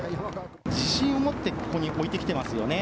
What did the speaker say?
自信を持ってここに置いてきてますよね。